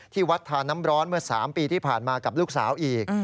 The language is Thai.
ที่วัดทานน้ำร้อนเมื่อ๓ปีที่ผ่านมากับลูกสาวอีก